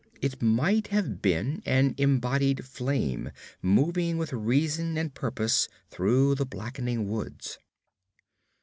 It might have been an embodied flame moving with reason and purpose through the blackening woods.